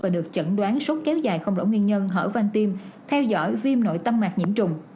và được chẩn đoán sốt kéo dài không rõ nguyên nhân hở van tim theo dõi viêm nội tâm mạc nhiễm trùng